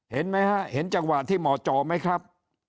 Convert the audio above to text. เห็นจังหวะที่หมอจไหมครับ